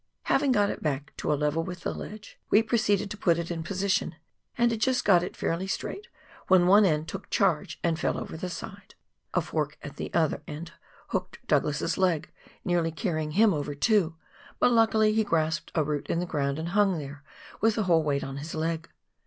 Having got it back to a level with the ledge, we proceeded to put it in position, and had just got it fairly straight, when one end took charge and fell over the side ; a fork at the other end hooked Douglas's leg, nearly carrjdng him over too ; but luckily he grasped a root in the ground and hung there, with the whole weight on his leg.